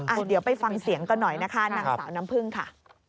เดี๋ยวไปฟังเสียงกันหน่อยนะคะนางสาวน้ำพึ่งค่ะ